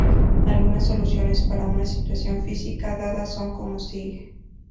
Algunas soluciones para una situación física dada son como sigue.